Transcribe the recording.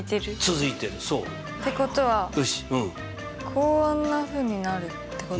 こんなふうになるってこと？